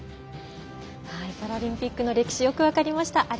パラリンピックの歴史よく分かりました。